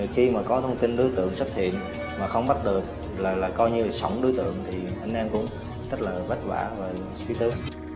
khi mà có thông tin đối tượng xuất hiện mà không bắt được là coi như là sống đối tượng thì anh em cũng rất là vất vả và xuất xứ